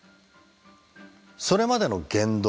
それまでの言動